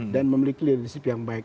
dan memiliki leadership yang baik